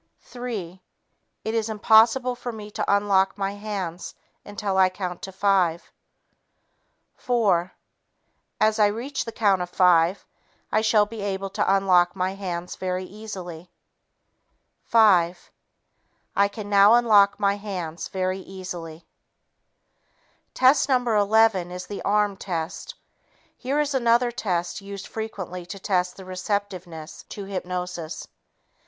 Three ... It is impossible for me to unlock my hands until I count to five. Four ... As I reach the count of five, I shall be able to unlock my hands very easily. Five ... I can now unlock my hands very easily." Test No. 11 is the "arm" test. Here is another test used frequently to test the receptiveness to hypnosis.